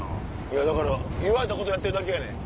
いやだから言われたことやってるだけやねん。